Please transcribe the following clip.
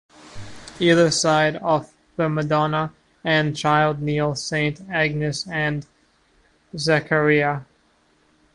Either side of the Madonna and Child kneel Saint Agnes and Zechariah.